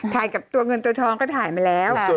กับตัวเงินตัวทองก็ถ่ายมาแล้ว